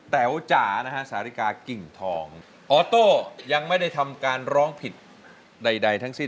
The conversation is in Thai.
แต๋วจ๋านะฮะสาริกากิ่งทองออโต้ยังไม่ได้ทำการร้องผิดใดทั้งสิ้น